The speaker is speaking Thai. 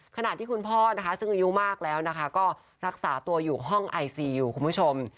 ขณะที่คุณพ่อนะคะซึ่งอายุมากแล้วนะคะก็รักษาตัวอยู่ห้องไอซีอยู่คุณผู้ชม